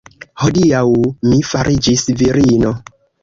Hodiaŭ mi fariĝis virino!